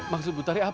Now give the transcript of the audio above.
maksud bu tarik apa